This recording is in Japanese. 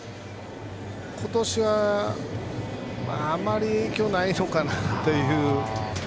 今年はあまり影響ないのかなという。